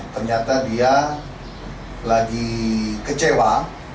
ternyata dia lagi kecewa